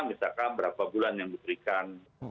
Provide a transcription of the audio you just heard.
misalkan berapa bulan yang diberikan